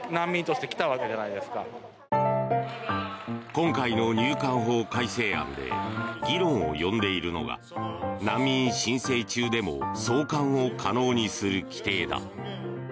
今回の入管法改正案で議論を呼んでいるのが難民申請中でも送還を可能にする規定だ。